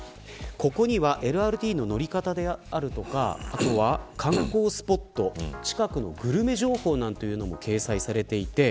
ここではＬＲＴの乗り方であるとか観光スポット、近くのグルメ情報も掲載されています。